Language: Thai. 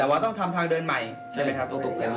แต่ว่าต้องทำทางเดินใหม่ใช่ไหมครับต้องตกกัน